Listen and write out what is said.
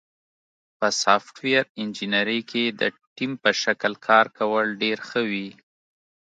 په سافټویر انجینری کې د ټیم په شکل کار کول ډېر ښه وي.